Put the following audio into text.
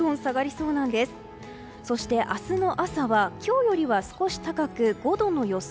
そして、明日の朝は今日よりは少し高く５度の予想。